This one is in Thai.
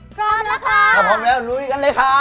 พร้อมแล้วค่ะพอพร้อมแล้วหนูอยู่กันเลยค่ะ